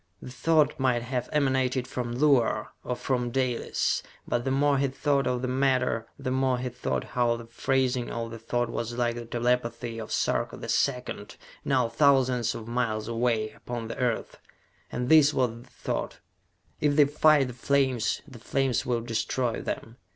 The thought might have emanated from Luar, or from Dalis. But the more he thought of the matter, the more he thought how the phrasing of the thought was like the telepathy of Sarka the Second, now thousands of miles away, upon the Earth. And this was the thought: "If they fight the flames, the flames will destroy them!